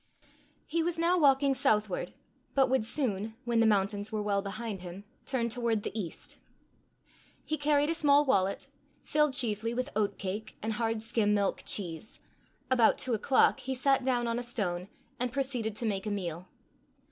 He was now walking southward, but would soon, when the mountains were well behind him, turn toward the east. He carried a small wallet, filled chiefly with oatcake and hard skim milk cheese: about two o'clock he sat down on a stone, and proceeded to make a meal.